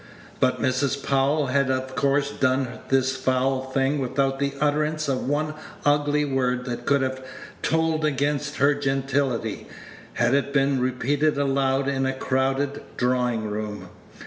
But Mrs. Powell had of course done this foul thing without the utterance of one ugly word that could have told against her gentility, had it been repeated aloud in a crowded drawing room.